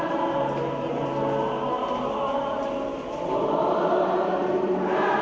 ภูมิกับใครสุขสามารถงานหาผสมใด